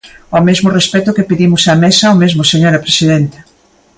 O mesmo respecto que pedimos á Mesa; o mesmo, señora presidenta.